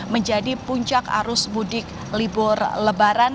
menjadi puncak arus mudik libur lebaran